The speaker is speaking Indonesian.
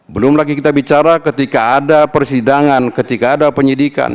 belum lagi kita bicara ketika ada persidangan ketika ada penyidikan